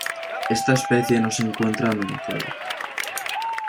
Está especie no se encuentra amenazada.